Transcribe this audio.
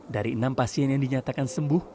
dari enam pasien yang dinyatakan sembuh